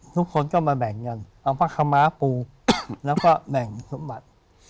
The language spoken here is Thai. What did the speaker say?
ทุกคนก็มาแบ่งกันเอาผ้าขม้าปูแล้วก็แบ่งสมบัติ